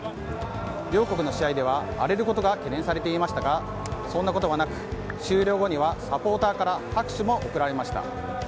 両国の試合では、荒れることが懸念されていましたがそんなことはなく終了後にはサポーターから拍手も送られました。